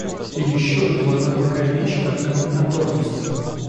Еще тут важна такая вещь, как комбинаторность.